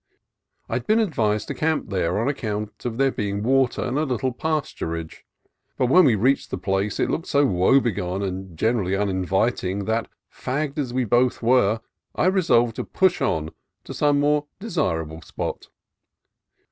I had been advised to camp there, on account of there being water and a little pasturage ; but when we reached the place it looked so woe begone and generally uninviting that, fagged as we both were, I resolved to push on to some more desirable spot.